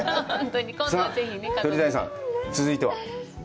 さあ、鳥谷さん、続いては？